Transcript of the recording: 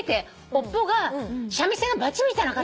尾っぽが三味線のバチみたいな形。